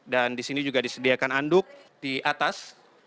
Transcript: dan disini juga disediakan anduk di atas